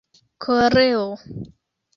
koreo